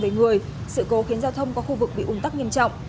về người sự cố khiến giao thông qua khu vực bị ung tắc nghiêm trọng